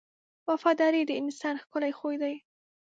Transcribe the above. • وفاداري د انسان ښکلی خوی دی.